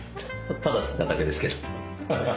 ただ好きなだけですけど。